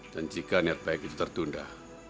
dan jika niat baik itu tertunda